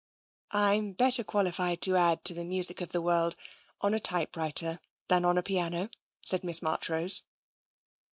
" I am better qualified to add to the music of the world on a typewriter than on a piano/' said Miss Marchrose.